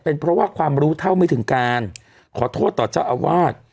เป็นเพราะว่าความรู้เท่าไม่ถึงการขอโทษต่อเจ้าอาวาส